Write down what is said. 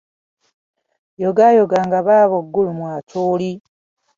Yogaayoga nga baabo Gulu mu Acholi.